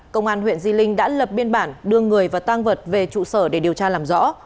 công an huyện di linh đã lập biên bản đưa người và tang vật về trụ sở để điều tra làm rõ